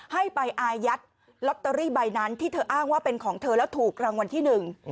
ให้ไปอายัดลอตเตอรี่ใบนั้นที่เธออ้างว่าเป็นของเธอแล้วถูกรางวัลที่หนึ่ง